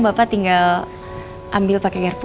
bapak tinggal ambil pakai garpu